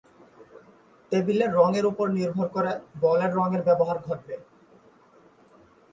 টেবিলের রঙের উপর নির্ভর করে বলের রঙের ব্যবহার ঘটবে।